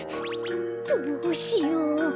どうしよう？